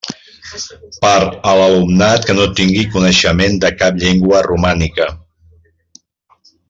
Per a l'alumnat que no tingui coneixement de cap llengua romànica.